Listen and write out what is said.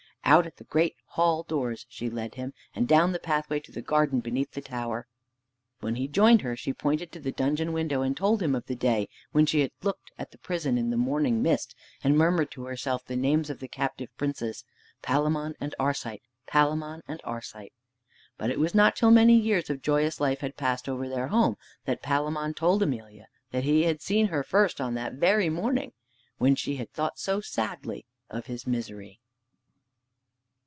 Out at the great hall doors she led him, and down the pathway to the garden beneath the tower. When he joined her, she pointed to the dungeon window, and told him of the day when she had looked at the prison in the morning mist, and murmured to herself the names of the captive princes, "Palamon and Arcite, Palamon and Arcite." But it was not till many years of joyous life had passed over their home that Palamon told Emelia that he had seen her first on that very morning when she had thought so sadly of his misery.